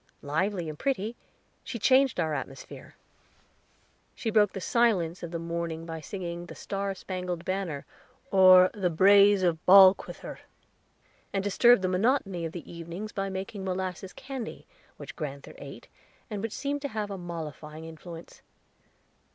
Lively and pretty, she changed our atmosphere. She broke the silence of the morning by singing the "Star spangled Banner," or the "Braes of Balquhither," and disturbed the monotony of the evenings by making molasses candy, which grand'ther ate, and which seemed to have a mollifying influence.